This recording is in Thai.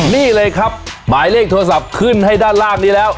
นี่เลยครับหมายเลขโทรศัพท์ขึ้นให้ด้านล่างนี้แล้ว